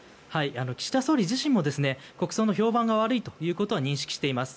岸田総理自身も国葬の評判が悪いことは認識しています。